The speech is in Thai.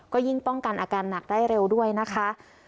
ก็ยิ่งป้องกันอาการหนักได้เร็วด้วยนะคะ